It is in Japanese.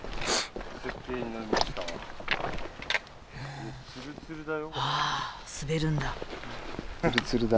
あ滑るんだ。